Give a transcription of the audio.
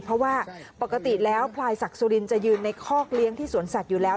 เพราะว่าปกติแล้วพลายศักดิ์สุรินจะยืนในคอกเลี้ยงที่สวนสัตว์อยู่แล้ว